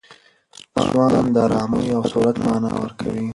سوان د آرامۍ او سهولت مانا ورکوي.